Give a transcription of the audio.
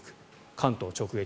関東を直撃。